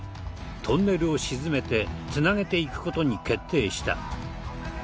トンネルを沈めて繋げていく事に決定した。